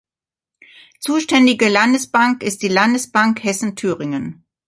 Zuständige Landesbank ist die Landesbank Hessen-Thüringen.